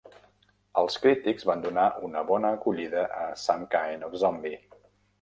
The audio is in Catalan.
Els crítics van donar una bona acollida a "Some Kind of Zombie".